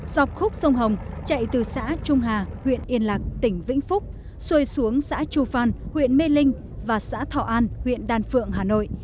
dọc khúc sông hồng chạy từ xã trung hà huyện yên lạc tỉnh vĩnh phúc xuôi xuống xã chu phan huyện mê linh và xã thọ an huyện đan phượng hà nội